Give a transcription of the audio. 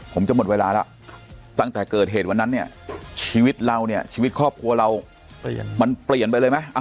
ผมจะหมดเวลาแล้วตั้งแต่เกิดเหตุวันนั้นเนี่ยชีวิตเราเนี่ยชีวิตครอบครัวเรามันเปลี่ยนไปเลยไหม